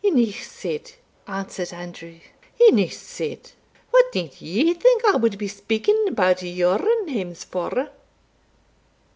"Eneueh said," answered Andrew "eneueh said. What need ye think I wad be speaking about your names for?